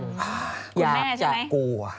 หอคุณแม่ใช่ไหมอยากจะกลัว